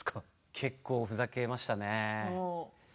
結構ふざけましたね。